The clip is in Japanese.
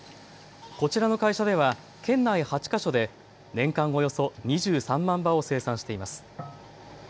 こちらの会社では県内８か所で年間およそ２３万羽を生産しています。